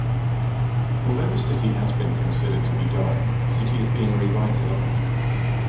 Although the city has been considered to be dying, the city is being revitalized.